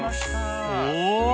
お！